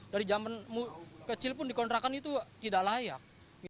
dari zaman kecil pun di kontrakan itu tidak layak